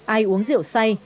ai uống rượu say